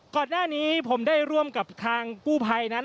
ก่อนหน้านี้ผมได้ร่วมกับทางกู้ภัยนั้น